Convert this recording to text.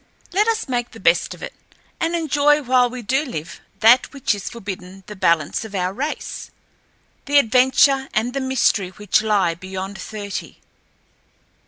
Let us make the best of it, and enjoy while we do live that which is forbidden the balance of our race—the adventure and the mystery which lie beyond thirty."